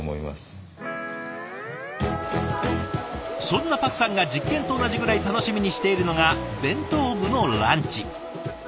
そんなパクさんが実験と同じぐらい楽しみにしているのが弁当部のランチ。